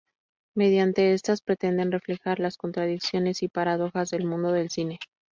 Mediante estas pretenden reflejar las contradicciones y paradojas del mundo del cine.